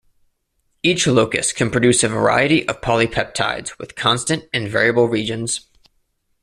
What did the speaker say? Each locus can produce a variety of polypeptides with constant and variable regions.